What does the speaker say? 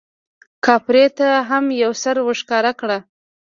کاپري ته هم یو سر ورښکاره کړه.